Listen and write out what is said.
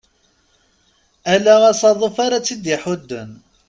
Ala asaḍuf ara tt-id-iḥudden.